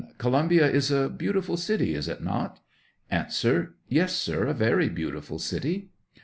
Columbia is a beautiful city, is it not ? A. Yes, sir, a very beautiful city.